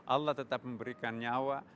allah tetap memberikan nyawa